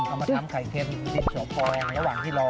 เอามาทำไข่เข้มดินโสพองระหว่างที่รอ